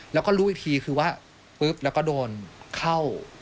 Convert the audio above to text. แล้วก็รู้อีกทีคือว่าปุ๊บแล้วก็โดนเข้า